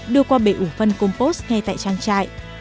đưa qua bể ủ phân compost ngay tại trang trại